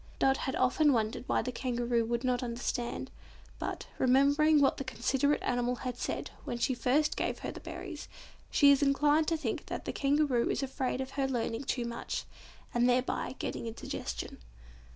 Dot has often wondered why the Kangaroo would not understand, but, remembering what that considerate animal had said when she first gave her the berries, she is inclined to think that the Kangaroo is afraid of her learning too much, and thereby getting indigestion.